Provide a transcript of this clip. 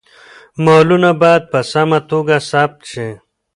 مالونه باید په سمه توګه ثبت شي.